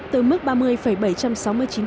từ mức ba mươi bảy trăm sáu mươi chín triệu đồng